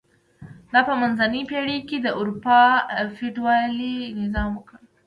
دا په منځنۍ پېړۍ کې د اروپا فیوډالي نظام و.